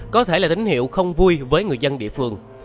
có thể là tín hiệu không vui với người dân địa phương